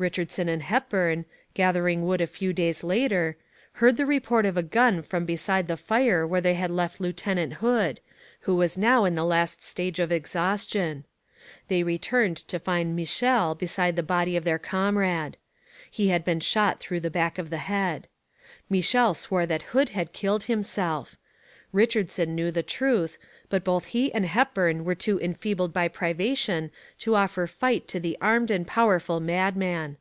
Richardson and Hepburn, gathering wood a few days later, heard the report of a gun from beside the fire where they had left Lieutenant Hood, who was now in the last stage of exhaustion. They returned to find Michel beside the dead body of their comrade. He had been shot through the back of the head. Michel swore that Hood had killed himself. Richardson knew the truth, but both he and Hepburn were too enfeebled by privation to offer fight to the armed and powerful madman.